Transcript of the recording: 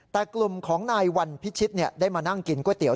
แต่กลุ่มของนายวันพิชิตได้มานั่งกินก๋วยเตี๋ย